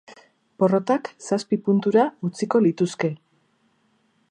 Porrotak zazpi puntura utziko lituzke.